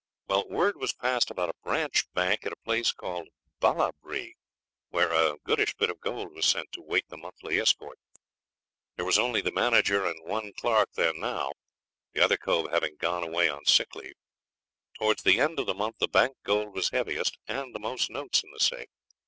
Well, word was passed about a branch bank at a place called Ballabri, where a goodish bit of gold was sent to wait the monthly escort. There was only the manager and one clerk there now, the other cove having gone away on sick leave. Towards the end of the month the bank gold was heaviest and the most notes in the safe.